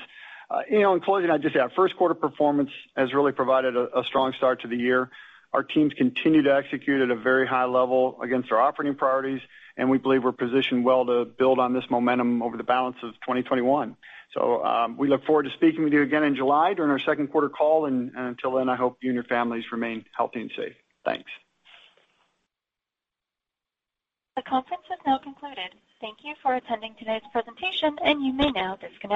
In closing, I'd just say our first quarter performance has really provided a strong start to the year. Our teams continue to execute at a very high level against our operating priorities, and we believe we're positioned well to build on this momentum over the balance of 2021. We look forward to speaking with you again in July during our second quarter call. Until then, I hope you and your families remain healthy and safe. Thanks. The conference has now concluded. Thank you for attending today's presentation, and you may now disconnect.